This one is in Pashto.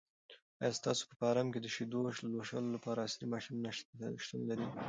آیا ستاسو په فارم کې د شیدو لوشلو لپاره عصري ماشینونه شتون لري؟